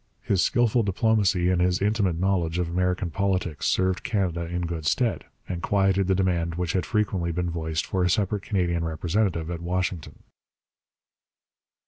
His skilful diplomacy and his intimate knowledge of American politics served Canada in good stead, and quieted the demand which had frequently been voiced for a separate Canadian representative at Washington.